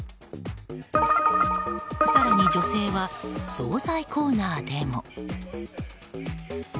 更に女性は総菜コーナーでも。